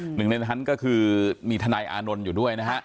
หนึ่งในนั้นก็คือมีทนายอานนท์อยู่ด้วยนะฮะ